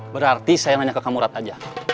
berarti saya nanya ke kang murad aja